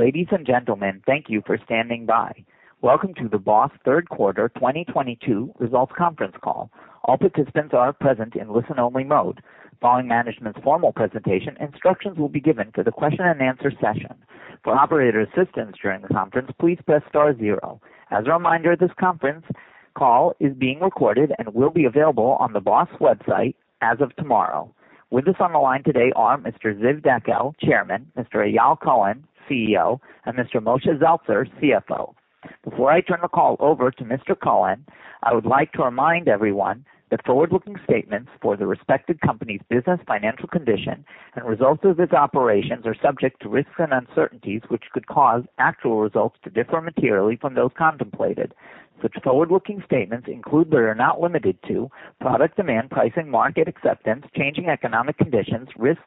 Ladies and gentlemen, thank you for standing by. Welcome to the BOS third quarter 2022 results conference call. All participants are present in listen-only mode. Following management's formal presentation, instructions will be given for the question-and-answer session. For operator assistance during the conference, please press star zero. As a reminder, this conference call is being recorded and will be available on the BOS website as of tomorrow. With us on the line today are Mr. Ziv Dekel, Chairman, Mr. Eyal Cohen, CEO, and Mr. Moshe Zeltzer, CFO. Before I turn the call over to Mr. Cohen, I would like to remind everyone that forward-looking statements for the respected company's business financial condition, and results of its operations are subject to risks and uncertainties, which could cause actual results to differ materially from those contemplated. Such forward-looking statements include, but are not limited to, product demand, pricing, market acceptance, changing economic conditions, risks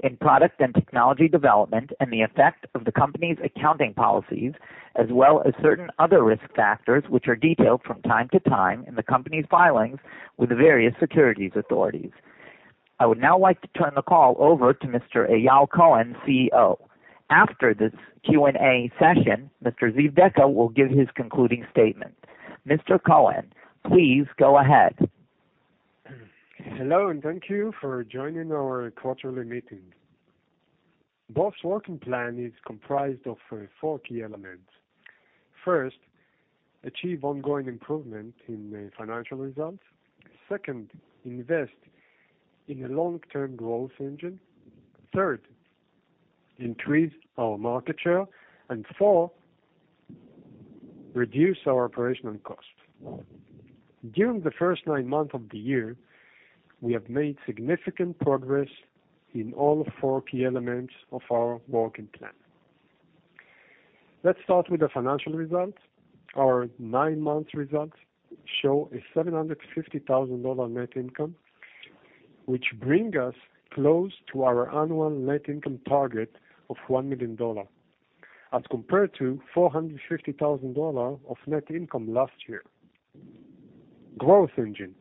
in product and technology development, and the effect of the company's accounting policies, as well as certain other risk factors, which are detailed from time to time in the company's filings with the various securities authorities. I would now like to turn the call over to Mr. Eyal Cohen, CEO. After this Q&A session, Mr. Ziv Dekel will give his concluding statement. Mr. Cohen, please go ahead. Hello, and thank you for joining our quarterly meeting. BOS working plan is comprised of four key elements. First, achieve ongoing improvement in the financial results. Second, invest in a long-term growth engine. Third, increase our market share. Fourth, reduce our operational costs. During the first nine months of the year, we have made significant progress in all four key elements of our working plan. Let's start with the financial results. Our nine-month results show a $750,000 net income, which bring us close to our annual net income target of $1 million, as compared to $450,000 of net income last year. Growth engine.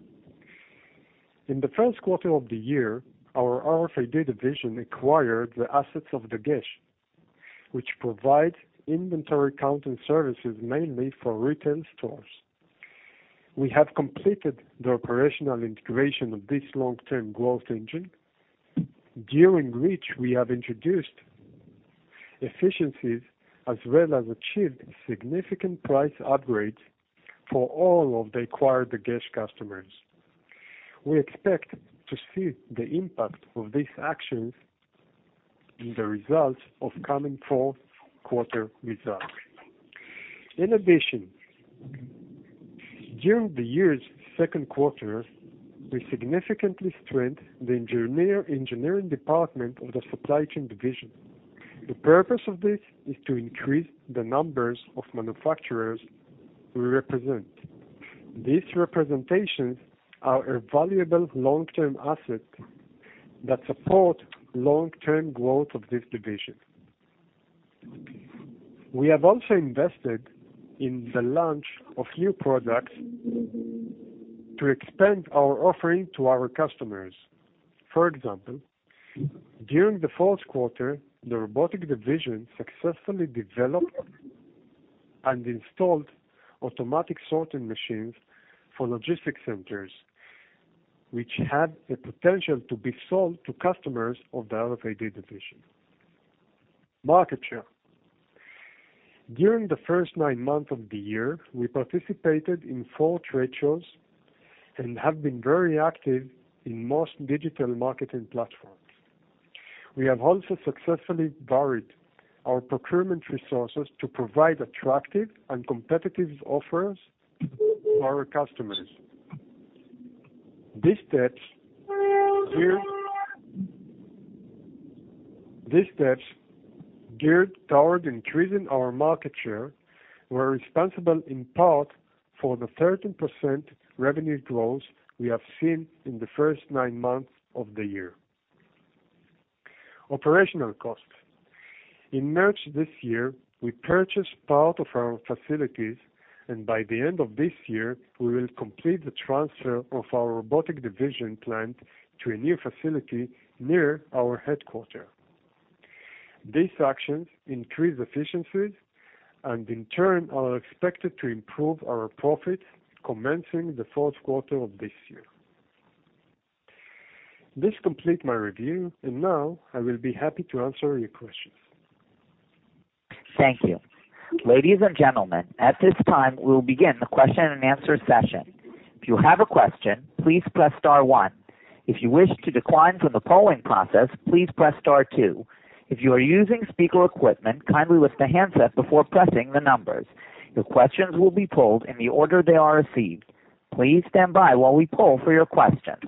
In the first quarter of the year, our RFID Division acquired the assets of Dagesh, which provide inventory counting services mainly for retail stores. We have completed the operational integration of this long-term growth engine, during which we have introduced efficiencies as well as achieved significant price upgrades for all of the acquired Dagesh customers. We expect to see the impact of these actions in the results of coming four quarter results. Innovation. During the year's second quarter, we significantly strengthened the engineering department of the Supply Chain Division. The purpose of this is to increase the numbers of manufacturers we represent. These representations are a valuable long-term asset that support long-term growth of this division. We have also invested in the launch of new products to expand our offering to our customers. For example, during the fourth quarter, the Robotic Division successfully developed and installed automatic sorting machines for logistics centers, which have the potential to be sold to customers of the RFID Division. Market share. During the first nine months of the year, we participated in four trade shows and have been very active in most digital marketing platforms. We have also successfully varied our procurement resources to provide attractive and competitive offers to our customers. These steps geared toward increasing our market share were responsible in part for the 13% revenue growth we have seen in the first nine months of the year. Operational costs. In March this year, we purchased part of our facilities, and by the end of this year, we will complete the transfer of our Intelligent Robotics Division plant to a new facility near our headquarters. These actions increase efficiencies and, in turn, are expected to improve our profits commencing the fourth quarter of this year. This completes my review, and now I will be happy to answer your questions. Thank you. Ladies and gentlemen, at this time, we will begin the question-and-answer session. If you have a question, please press star one. If you wish to decline from the polling process, please press star two. If you are using speaker equipment, kindly lift the handset before pressing the numbers. Your questions will be pulled in the order they are received. Please stand by while we poll for your questions.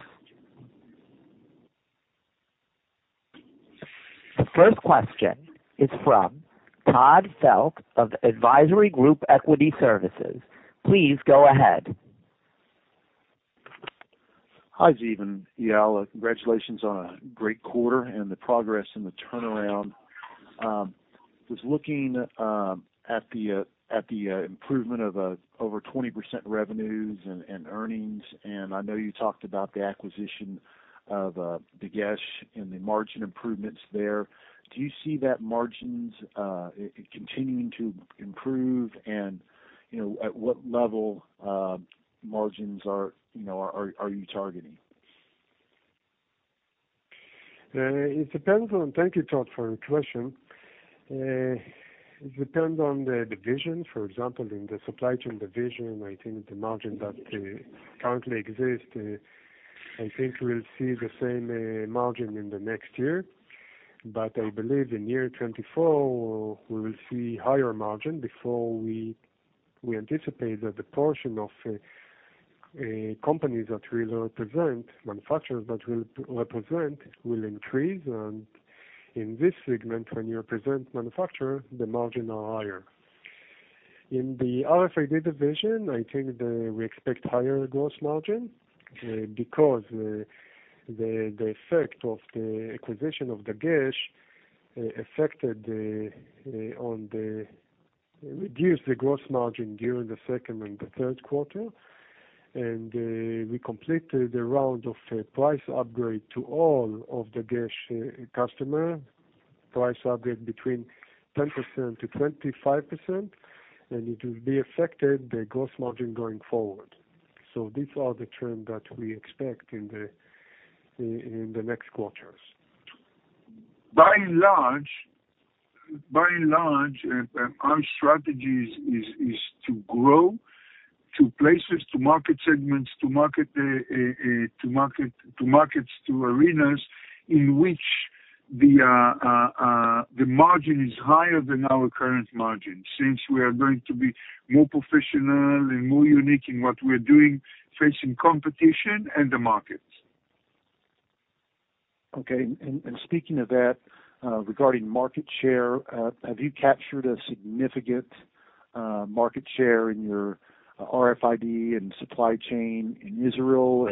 The first question is from Todd Felte of Advisory Group Equity Services. Please go ahead. Hi, Ziv and Eyal. Congratulations on a great quarter and the progress in the turnaround. just looking at the improvement of over 20% revenues and earnings, and I know you talked about the acquisition of the Dagesh and the margin improvements there. Do you see that margins continuing to improve and, you know, at what level margins are, you know, are you targeting? Thank you, Todd, for your question. It depends on the division. For example, in the Supply Chain Division, I think the margin that currently exists, I think we'll see the same margin in the next year. I believe in year 2024, we will see higher margin before we anticipate that the portion of a company that will represent manufacturers that will represent will increase. In this segment, when you represent manufacturer, the margin are higher. In the RFID Division, I think we expect higher gross margin because the effect of the acquisition of Dagesh affected the Reduce the gross margin during the second and the third quarter. We completed the round of price upgrade to all of the Dagesh customer. Price upgrade between 10%-25%. It will be affected the gross margin going forward. These are the trends that we expect in the next quarters. By and large, our strategy is to grow to places, to market segments, to market, to markets, to arenas in which the margin is higher than our current margin, since we are going to be more professional and more unique in what we're doing, facing competition and the markets. Okay. Speaking of that, regarding market share, have you captured a significant market share in your RFID and supply chain in Israel?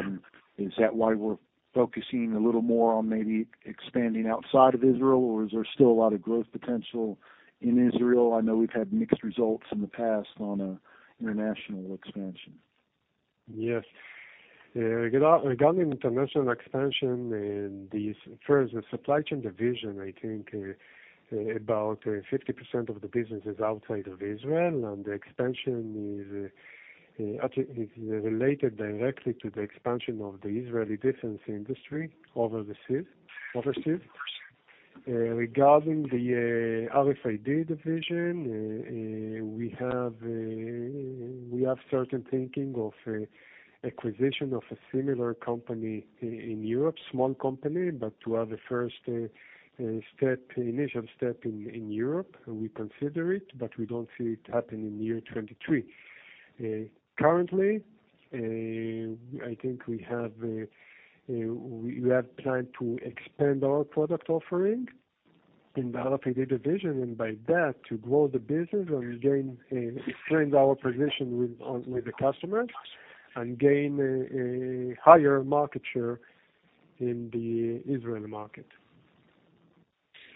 Is that why we're focusing a little more on maybe expanding outside of Israel, or is there still a lot of growth potential in Israel? I know we've had mixed results in the past on international expansion. Yes. regarding international expansion in these first Supply Chain Division, I think about 50% of the business is outside of Israel, and the expansion is related directly to the expansion of the Israeli defense industry overseas. Regarding the RFID Division, we have certain thinking of acquisition of a similar company in Europe. Small company, to have a first step, initial step in Europe, we consider it, but we don't see it happening in year 2023. Currently, I think we have planned to expand our product offering in the RFID Division, and by that to grow the business and gain strengthen our position with the customers and gain a higher market share in the Israel market.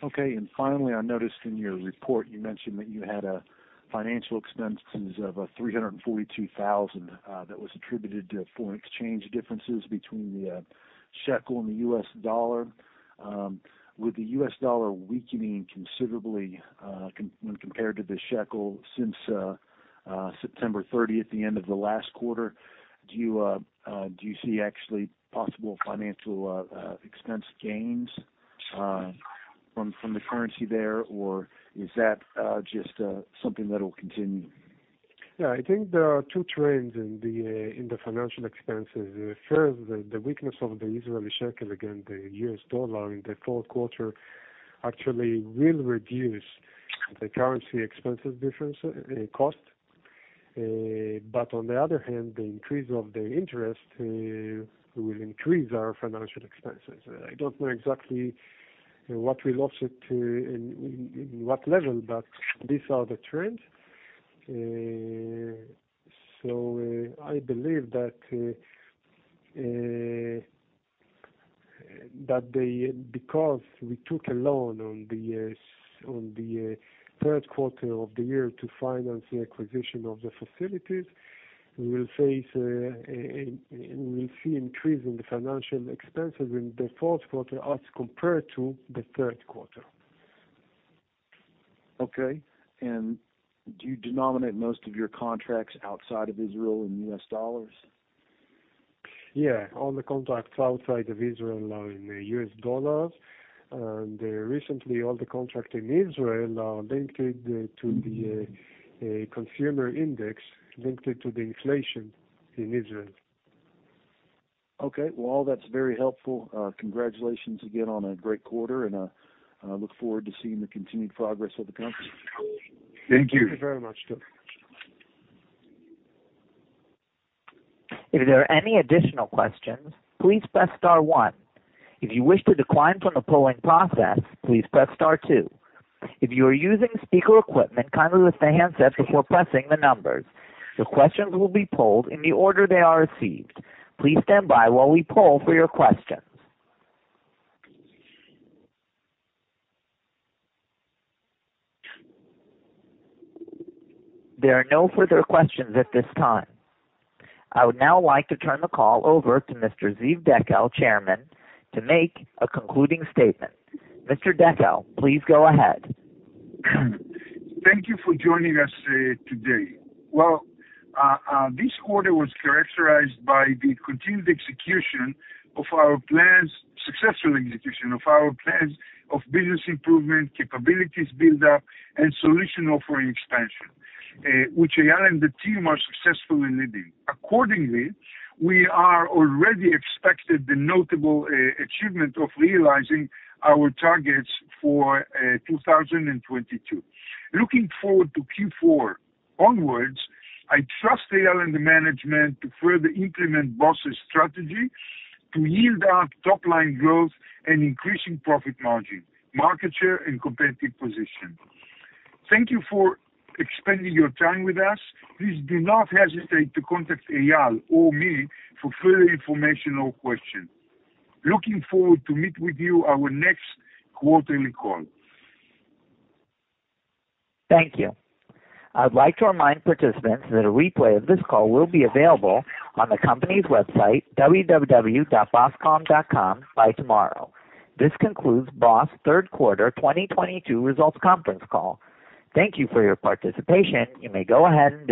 Okay. Finally, I noticed in your report you mentioned that you had a financial expenses of 342,000, that was attributed to foreign exchange differences between the shekel and the U.S. dollar. With the U.S. dollar weakening considerably, when compared to the shekel since September 30th at the end of the last quarter, do you see actually possible financial expense gains from the currency there, or is that just something that will continue? Yeah, I think there are two trends in the financial expenses. The weakness of the Israeli shekel against the U.S. dollar in the fourth quarter actually will reduce the currency expenses difference cost. On the other hand, the increase of the interest will increase our financial expenses. I don't know exactly what will offset to in what level, but these are the trends. I believe that the because we took a loan on the third quarter of the year to finance the acquisition of the facilities, we see increase in the financial expenses in the fourth quarter as compared to the third quarter. Okay. Do you denominate most of your contracts outside of Israel in U.S. dollars? Yeah. All the contracts outside of Israel are in the U.S. dollars. Recently, all the contract in Israel are linked to the Consumer Price Index linked to the inflation in Israel. Okay. Well, that's very helpful. Congratulations again on a great quarter, and I look forward to seeing the continued progress of the company. Thank you. Thank you very much, Todd. If there are any additional questions, please press star one. If you wish to decline from the polling process, please press star two. If you are using speaker equipment, kindly lift the handset before pressing the numbers. The questions will be polled in the order they are received. Please stand by while we poll for your questions. There are no further questions at this time. I would now like to turn the call over to Mr. Ziv Dekel, Chairman, to make a concluding statement. Mr. Dekel, please go ahead. Thank you for joining us today. Well, this quarter was characterized by the continued execution of our plans, successful execution of our plans of business improvement, capabilities build-up, and solution offering expansion, which Eyal and the team are successfully leading. Accordingly, we are already expected the notable achievement of realizing our targets for 2022. Looking forward to Q4 onwards, I trust Eyal and the management to further implement BOS's strategy to yield our top-line growth and increasing profit margin, market share and competitive position. Thank you for expanding your time with us. Please do not hesitate to contact Eyal or me for further information or questions. Looking forward to meet with you our next quarterly call. Thank you. I'd like to remind participants that a replay of this call will be available on the company's website, www.boscom.com, by tomorrow. This concludes BOS third quarter 2022 results conference call. Thank you for your participation. You may go ahead and disconnect your lines.